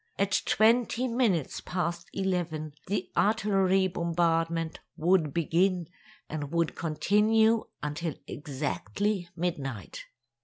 At twenty minutes past eleven, the artillery bombardment would begin and would continue until exactly midnight.